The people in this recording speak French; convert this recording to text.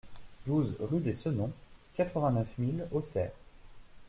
douze rue des Senons, quatre-vingt-neuf mille Auxerre